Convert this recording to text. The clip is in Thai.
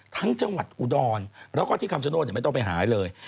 จังหวัดอุดรแล้วก็ที่คำชโนธไม่ต้องไปหายเลย